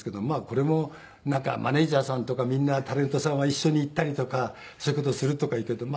これもマネジャーさんとかみんなタレントさんは一緒に行ったりとかそういう事をするとかいうけど。